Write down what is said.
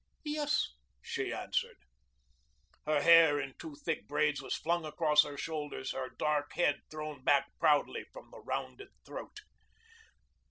"Yes," she answered. Her hair in two thick braids was flung across her shoulders, her dark head thrown back proudly from the rounded throat.